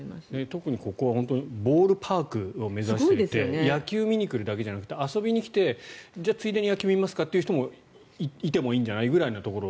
特にここはボールパークを目指していて野球を見に来るだけじゃなくて遊びに来てついでに野球を見ますかという人がいてもいいんじゃないくらいのところ。